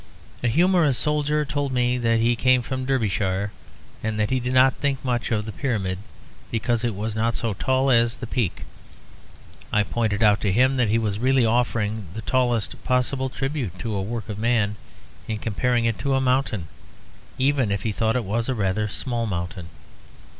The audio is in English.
A humorous soldier told me that he came from Derbyshire, and that he did not think much of the Pyramid because it was not so tall as the Peak. I pointed out to him that he was really offering the tallest possible tribute to a work of man in comparing it to a mountain; even if he thought it was a rather small mountain.